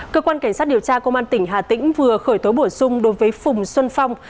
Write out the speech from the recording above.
cơ quan cảnh sát điều tra công an tỉnh hà tĩnh vừa khởi tố bổ sung đối với phùng xuân phong